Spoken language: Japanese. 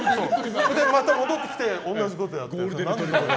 また戻ってきて同じことをやって。